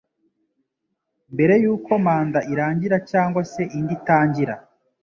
mbere y uko manda irangira cyangwa se indi itangira